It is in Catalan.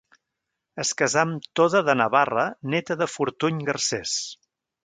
Es casà amb Toda de Navarra, néta de Fortuny Garcés.